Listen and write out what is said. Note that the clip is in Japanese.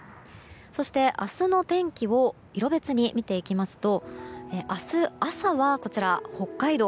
明日の天気を色別に見ていきますと明日朝は北海道